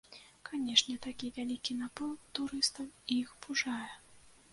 Канешне, такі вялікі наплыў турыстаў іх пужае.